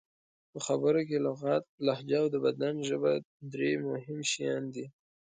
په خبرو کې لغت، لهجه او د بدن ژبه درې مهم شیان دي.